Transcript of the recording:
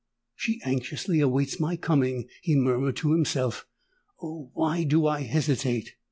"She anxiously awaits my coming!" he murmured to himself. "Oh! why do I hesitate?"